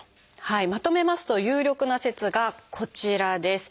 まとめますと有力な説がこちらです。